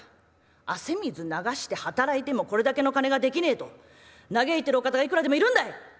汗水流して働いてもこれだけの金が出来ねえと嘆いてるお方がいくらでもいるんだい！